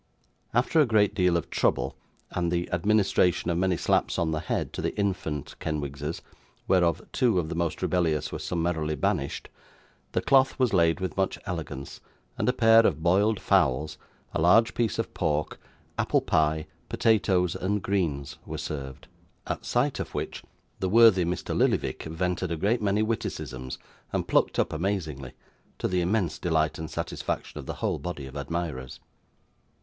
After a great deal of trouble, and the administration of many slaps on the head to the infant Kenwigses, whereof two of the most rebellious were summarily banished, the cloth was laid with much elegance, and a pair of boiled fowls, a large piece of pork, apple pie, potatoes and greens, were served; at sight of which, the worthy Mr. Lillyvick vented a great many witticisms, and plucked up amazingly: to the immense delight and satisfaction of the whole body of admirers.